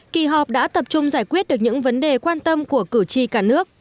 kỳ họp đã tập trung giải quyết được những vấn đề quan tâm của cử tri cả nước